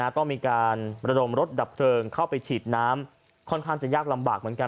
ต้องมีการระดมรถดับเพลิงเข้าไปฉีดน้ำค่อนข้างจะยากลำบากเหมือนกัน